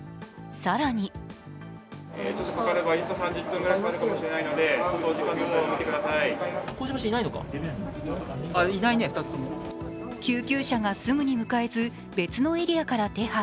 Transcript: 更に救急車がすぐに迎えず、別のエリアから手配。